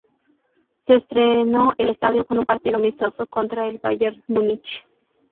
Se estrenó el estadio con un partido amistoso contra el Bayern Múnich.